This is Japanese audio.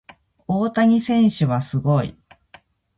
大谷選手はすごい。